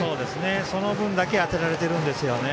その分だけ当てられてるんですよね。